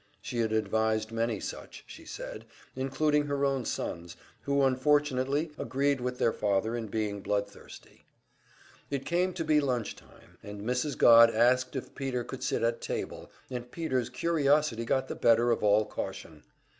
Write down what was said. She had advised many such, she said, including her own sons, who unfortunately agreed with their father in being blood thirsty. It came to be lunch time, and Mrs. Godd asked if Peter could sit at table and Peter's curiosity got the better of all caution.